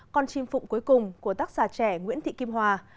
con chim phụng cuối cùng của tác giả trẻ nguyễn thị kim hòa